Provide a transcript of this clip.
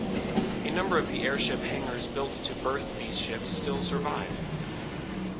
A number of the airship hangars built to berth these ships still survive.